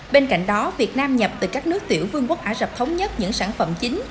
bên cạnh đó việt nam nhập từ các nước tiểu vương quốc ả rập thống nhất những sản phẩm chính